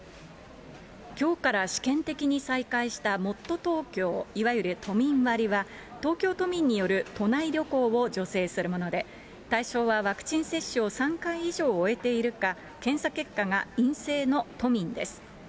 きょうから試験的に再開したもっとＴｏｋｙｏ、いわゆる都民割は、東京都民による都内旅行を助成するもので、対象はワクチン接種を３回以上終えているか、検査結果が陰性の都民です。